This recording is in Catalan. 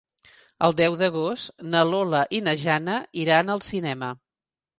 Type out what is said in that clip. El deu d'agost na Lola i na Jana iran al cinema.